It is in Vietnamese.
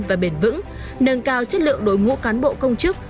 và bền vững nâng cao chất lượng đối ngũ cán bộ công chức